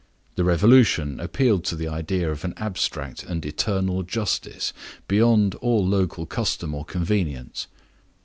The Revolution appealed to the idea of an abstract and eternal justice, beyond all local custom or convenience.